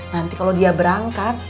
nanti kalau dia berangkat